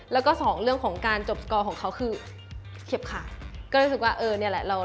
แล้วก็สองเรื่องของการจบสกอร์ของเขาคือ